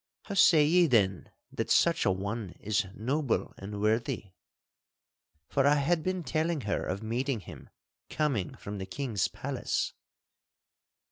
How say ye then that such an one is noble and worthy?' For I had been telling her of meeting him coming from the king's palace.